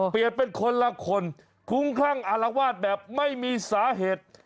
เป็นคนละคนคุ้มคลั่งอารวาสแบบไม่มีสาเหตุ